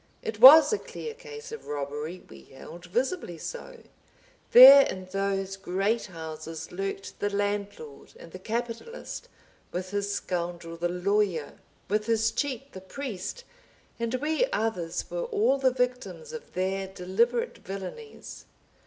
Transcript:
It was a clear case of robbery, we held, visibly so; there in those great houses lurked the Landlord and the Capitalist, with his scoundrel the Lawyer, with his cheat the Priest, and we others were all the victims of their deliberate villainies.